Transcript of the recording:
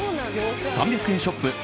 ３００円ショップ